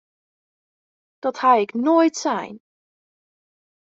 Dat ha ik noait sein!